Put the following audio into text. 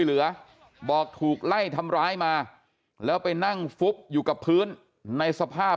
เหลือบอกถูกไล่ทำร้ายมาแล้วไปนั่งฟุบอยู่กับพื้นในสภาพ